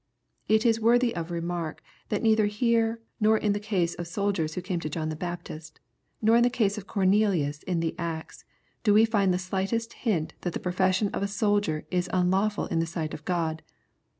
It is worthy of remark, that neither here, nor in the case of soldiers who came to John the Baptist, nor in the case of Cornelius in the Acts, do we find the slightest hint that the profession of a soldier is unlawful in the sight of God.